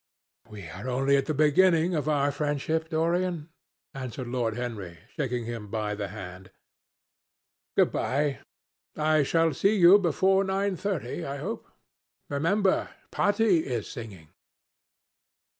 "We are only at the beginning of our friendship, Dorian," answered Lord Henry, shaking him by the hand. "Good bye. I shall see you before nine thirty, I hope. Remember, Patti is singing."